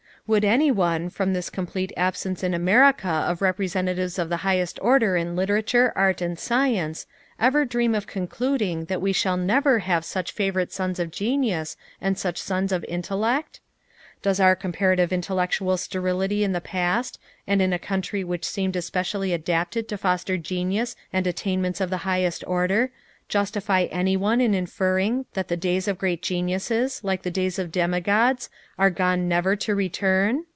Would any one, from this complete absence in America of representatives of the highest order in literature, art and science, ever dream of concluding that we shall never have such favorite sons of genius and such giants of intellect? Does our comparative intellectual sterility in the past, and in a country which seemed specially adapted to foster genius and attainments of the highest order, justify any one in inferring that the days of great geniuses, like the days of demigods, are gone never to return?